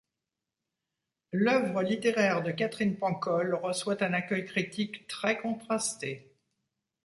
L'œuvre littéraire de Katherine Pancol reçoit un accueil critique très contrasté.